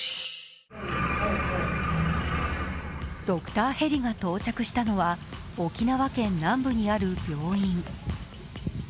ドクターヘリが到着したのは沖縄県南部にある病院。